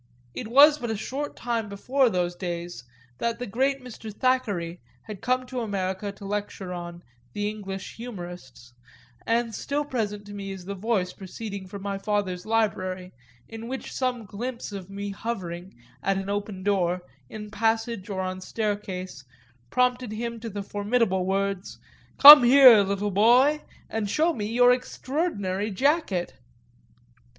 It was but a short time before those days that the great Mr. Thackeray had come to America to lecture on The English Humourists, and still present to me is the voice proceeding from my father's library, in which some glimpse of me hovering, at an opening of the door, in passage or on staircase, prompted him to the formidable words: "Come here, little boy, and show me your extraordinary jacket!"